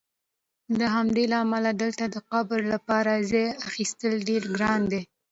له همدې امله دلته د قبر لپاره ځای اخیستل ډېر ګران دي.